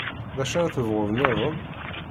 D acu ara tebɣuḍ-nniḍen?